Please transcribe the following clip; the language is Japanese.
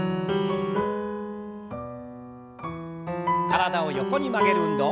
体を横に曲げる運動。